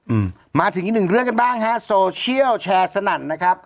อืมมาถึงอีกหนึ่งเรื่องกันบ้างฮะโซเชียลแชร์สนั่นนะครับ